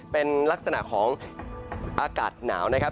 เป็นลักษณะของอากาศหนาวนะครับ